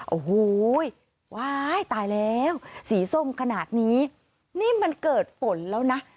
โอ้โหว้ายตายแล้วสีส้มขนาดนี้นี่มันเกิดฝนแล้วนะ